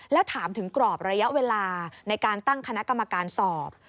แล้วถามถึงกรอบระยะเวลาในการตั้งคณะกรรมการสอบ